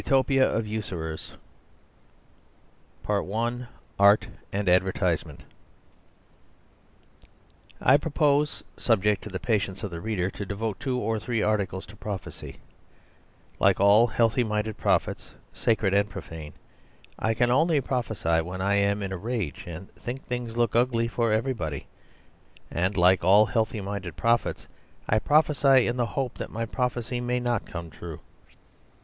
UTOPIA OF USURERS I. Art and Advertisement I propose, subject to the patience of the reader, to devote two or three articles to prophecy. Like all healthy minded prophets, sacred and profane, I can only prophesy when I am in a rage and think things look ugly for everybody. And like all healthy minded prophets, I prophesy in the hope that my prophecy may not come true.